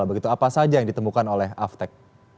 begitu apa saja yang ditemukan oleh aftec